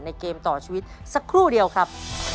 เกมต่อชีวิตสักครู่เดียวครับ